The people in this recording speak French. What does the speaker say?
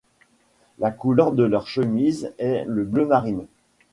La couleur de leur chemise est le bleu marine.